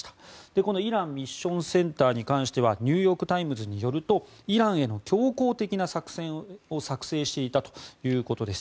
このイランミッションセンターに関してはニューヨーク・タイムズによるとイランへの強硬的な作戦を作成していたということです。